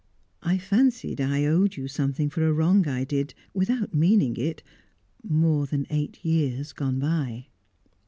"I fancied I owed you something for a wrong I did, without meaning it, more than eight years gone by."